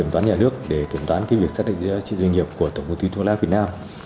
tổng toán nhà nước để tổng toán việc xác định giá trị doanh nghiệp của tổng công ty thuốc lát việt nam